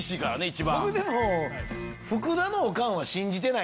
僕でも。